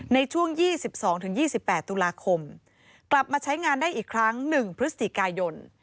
ในช่วง๒๒๒๘ตุลาคมกลับมาใช้งานได้อีกครั้ง๑พฤศจิกายน